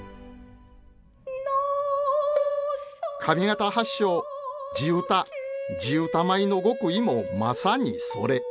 上方発祥地唄地唄舞の極意もまさにそれ。